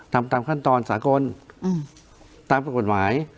ทำตามขั้นตอนสากลตามกฎหมาย